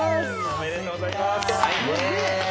ありがとうございます。